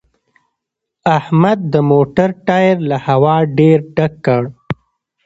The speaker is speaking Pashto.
احمد د موټر ټایر له هوا ډېر ډک کړ